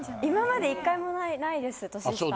今まで一回もないです年下。